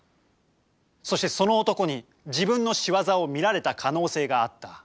そしてその男に自分の仕業を見られた可能性があった。